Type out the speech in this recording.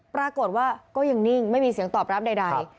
ปรากฏว่าก็ยังนิ่งไม่มีเสียงตอบรับใด